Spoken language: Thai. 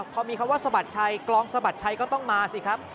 พอมีคำว่าสะบัดชัยกรองสะบัดชัยก็ต้องมาสิครับ